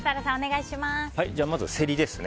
まずセリですね。